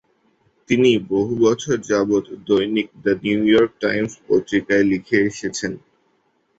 তিনি বহু বছর যাবত দৈনিক দ্য নিউ ইয়র্ক টাইমস পত্রিকায় লিখে আসছেন।